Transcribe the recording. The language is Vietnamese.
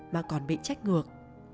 mà còn bị trách ngược